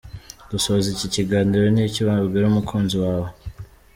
Dusoza iki kiganiro, ni iki wabwira abakunzi bawe?.